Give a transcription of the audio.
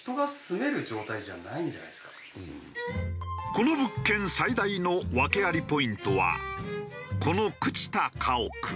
この物件最大の訳ありポイントはこの朽ちた家屋。